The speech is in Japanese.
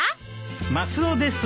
マスオです。